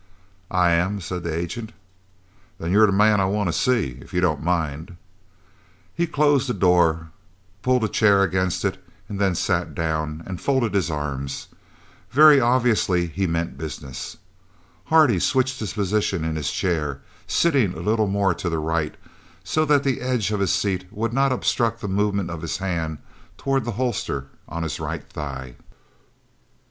"I am," said the agent. "Then you're the man I want to see. If you don't mind " He closed the door, pulled a chair against it, and then sat down, and folded his arms. Very obviously he meant business. Hardy switched his position in his chair, sitting a little more to the right, so that the edge of the seat would not obstruct the movement of his hand towards the holster on his right thigh.